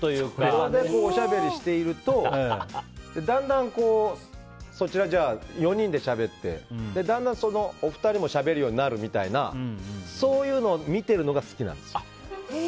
そこでおしゃべりしているとそちら４人でしゃべってだんだん、そのお二人もしゃべるようになるみたいなそういうのを見てるのが好きなんですよ。